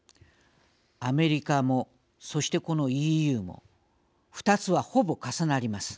アメリカも、そしてこのＥＵも２つは、ほぼ重なります。